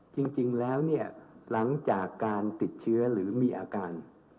จริงแล้วเนี่ยหลังจากการติดเชื้อหรือมีอาการ